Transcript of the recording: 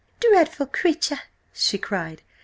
"Dreadful creature!" she cried.